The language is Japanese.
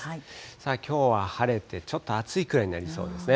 さあ、きょうは晴れて、ちょっと暑いくらいになりそうですね。